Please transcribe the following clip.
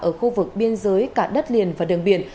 ở khu vực biên giới cả đất liền và đường biển